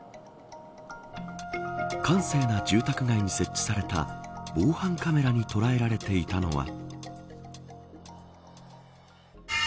閑静な住宅街に設置された防犯カメラに捉えられていたのは。